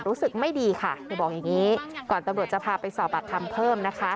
รู้สึกไม่ดีค่ะเธอบอกอย่างนี้ก่อนตำรวจจะพาไปสอบปากคำเพิ่มนะคะ